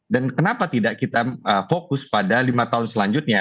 dan kenapa tidak kita fokus pada lima tahun selanjutnya